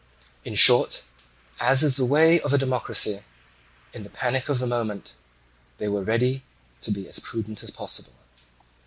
In short, as is the way of a democracy, in the panic of the moment they were ready to be as prudent as possible.